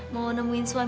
mau nemuin suami